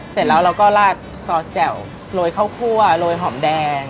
เสร็จแล้วเราก็ลาดซอสแจ่วโรยข้าวคั่วโรยหอมแดง